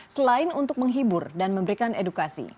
selain untuk menghibur dan memberikan edukasi